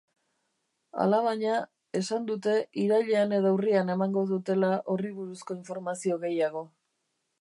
Alabaina, esan dute irailean edo urrian emango dutela horri buruzko informazio gehiago.